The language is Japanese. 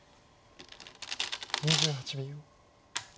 ２８秒。